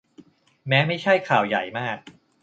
แม้ไม่ใช่ข่าวใหญ่มาก